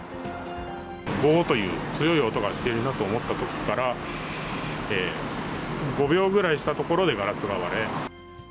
ごーという強い音がしているなと思ったときから、５秒ぐらいしたところでガラスが割れ。